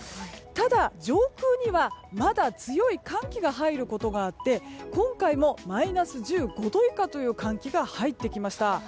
ただ、上空にはまだ強い寒気が入ることがあって今回もマイナス１５度以下という寒気が入ってきました。